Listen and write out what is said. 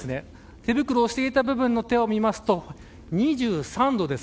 手袋をしていた部分の手を見ると２３度です。